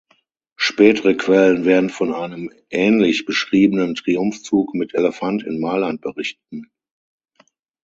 Spätere Quellen werden von einem ähnlich beschriebenen Triumphzug mit Elefant in Mailand berichten.